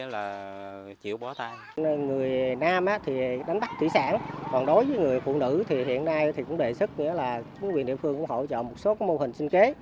là chính quyền địa phương cũng hỗ trợ một số mô hình sinh kế